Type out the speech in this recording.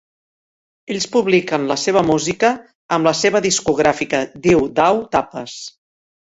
Ells publiquen la seva música amb la seva discogràfica Diu Dau Tapes.